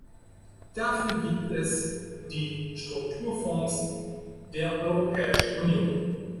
Dafür gibt es die Strukturfonds der Europäischen Union.